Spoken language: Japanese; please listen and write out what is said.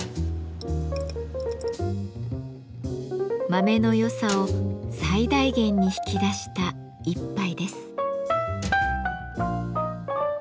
豆の良さを最大限に引き出した一杯です。